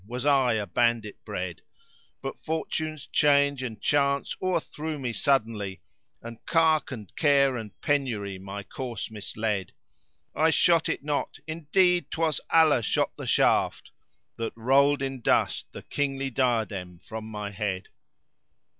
was I a bandit bred: But Fortune's change and chance o'erthrew me suddenly, * And cark and care and penury my course misled: I shot it not, indeed, 'twas Allah shot the shaft * That rolled in dust the Kingly diadem from my head."